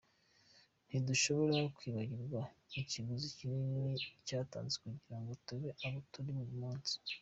Ntidushobora kwibagirwa ikiguzi kinini cyatanzwe kugira ngo tube abo turibo uyu munsi.